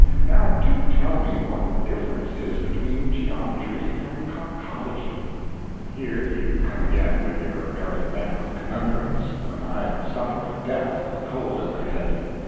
Now do tell me what the difference is between geometry and conchology?" Here you come again with your arithmetical conundrums, when I am suffering death with a cold in the head.